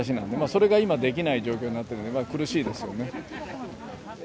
それが今できない状況になってるので苦しいですよね。